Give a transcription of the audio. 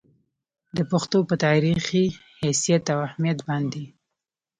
د پښتو پۀ تاريخي حېثيت او اهميت باندې